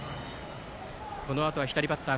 このあとは左バッター